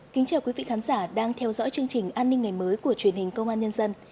kính chào quý vị khán giả đang theo dõi chương trình an ninh ngày mới của truyền hình công an nhân dân